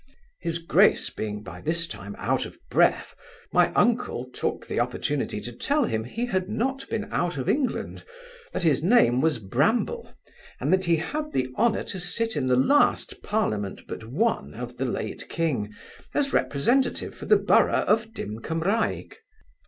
His grace being by this time out of breath, my uncle took the opportunity to tell him he had not been out of England, that his name was Bramble, and that he had the honour to sit in the last parliament but one of the late king, as representative for the borough of Dymkymraig.